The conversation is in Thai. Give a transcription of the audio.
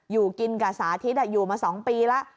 อยู่กินกับสาธิตอยู่มา๒ปีแล้ว